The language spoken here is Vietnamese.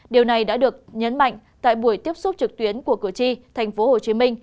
điều này đã được nhấn mạnh tại buổi tiếp xúc trực tuyến của cửa chi tp hcm